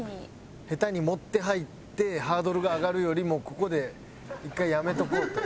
下手に持って入ってハードルが上がるよりもうここで１回やめとこうと。